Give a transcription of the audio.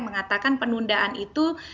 mengatakan penundaan itu